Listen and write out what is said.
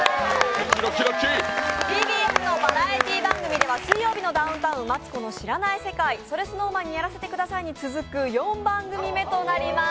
ＴＢＳのバラエティー番組では「水曜日のダウンタウン」、「マツコの知らない世界」、「それＳｎｏｗＭａｎにやらせて下さい」に続く４番組目となります。